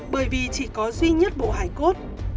bởi vì chỉ có duy nhất bộ hải cốt